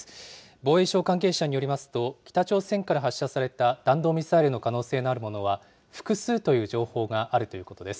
防衛省関係者によりますと、北朝鮮から発射された弾道ミサイルの可能性があるものは、複数という情報があるということです。